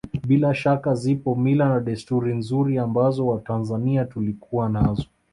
Bila shaka zipo mila na desturi nzuri ambazo Watanzania tulikuwa nazo